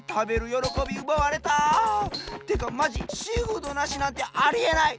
よろこびうばわれた！ってかまじシーフードなしなんてありえない！